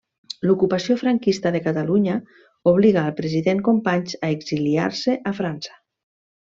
L'ocupació franquista de Catalunya obliga al president Companys a exiliar-se a França.